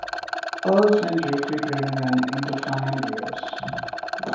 Earls and Geoffrey Brenneman in the final years.